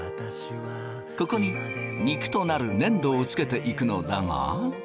ここに肉となる粘土を付けていくのだが。